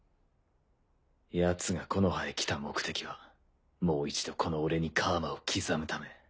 ヤツが木ノ葉へ来た目的はもう一度この俺に楔を刻むため。